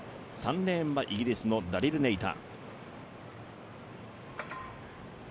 ３レーンはイギリスのダリル・ネイタ。